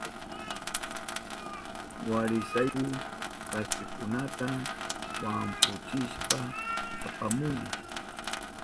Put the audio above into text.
Wasirayku kaspikunata wampuchishpa apamuni.